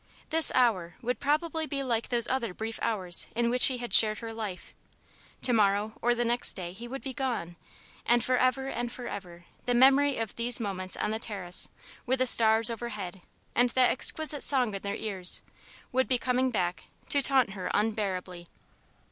This hour would probably be like those other brief hours in which he had shared her life. To morrow, or next day, he would be gone; and forever and forever the memory of these moments on the terrace, with the stars overhead and that exquisite song in their ears, would be coming back to taunt her unbearably.